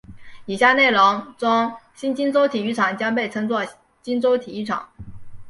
以下内容中新金州体育场将被称作金州体育场。